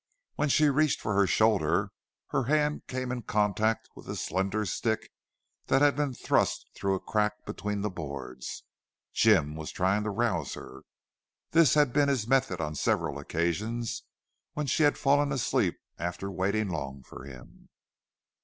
When she reached for her shoulder her hand came in contact with a slender stick that had been thrust through a crack between the boards. Jim was trying to rouse her. This had been his method on several occasions when she had fallen asleep after waiting long for him.